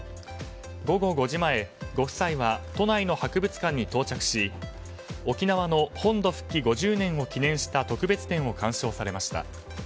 午後５時前、ご夫妻は都内の博物館に到着し沖縄の本土復帰５０年を記念した特別展を鑑賞されました。